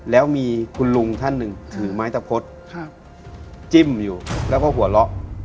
แล้วมีคุณลุงท่านหนึ่งถือไม้ตะพดจิ้มอยู่แล้วก็หัวเราะ